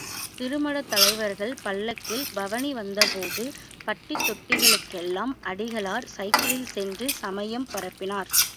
திருமடத் தலைவர்கள் பல்லக்கில் பவனிவந்தபோது பட்டி தொட்டிகளுக்கெல்லாம் அடிகளார் சைக்கிளில் சென்று சமயம் பரப்பினார்.